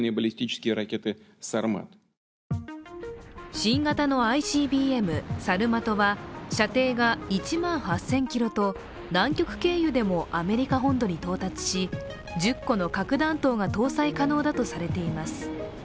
新型のＩＣＢＭ、サルマトは射程が１万８０００ｋｍと南極経由でもアメリカ本土に到達し、１０個の核弾頭が搭載可能だとされています。